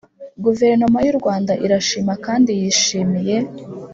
guverinoma y'u rwanda irashima kandi yishimiye